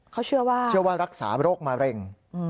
เขาเชื่อว่าเชื่อว่ารักษาโรคมะเร็ง